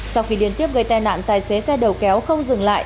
sau khi liên tiếp gây tai nạn tài xế xe đầu kéo không dừng lại